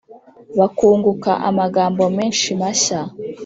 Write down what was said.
bakunguka amagambo menshi mashya.